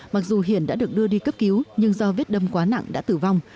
mặc dù hiện đã được đưa đi cấp cứu nhưng do vết đâm quá nặng đã tử vong